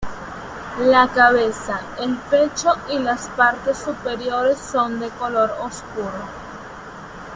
La cabeza, el pecho y las partes superiores son de color oscuro.